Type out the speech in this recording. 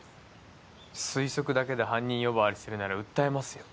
推測だけで犯人呼ばわりするなら訴えますよ。